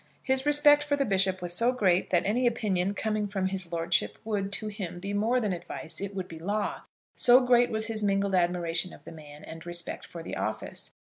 His respect for the bishop was so great, that any opinion coming from his lordship would, to him, be more than advice; it would be law. So great was his mingled admiration of the man and respect for the office!